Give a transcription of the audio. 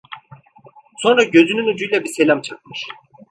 Sonra gözünün ucuyla bir selam çakmış.